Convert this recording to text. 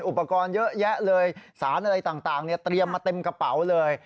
อุปกรณ์เยอะแยะเลยสารอะไรต่างเตรียมมาเต็มกระเป๋าเลย